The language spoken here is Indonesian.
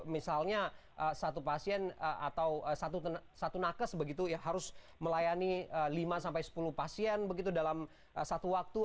misalnya satu pasien atau satu nakes begitu ya harus melayani lima sampai sepuluh pasien begitu dalam satu waktu